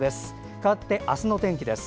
かわって、明日の天気です。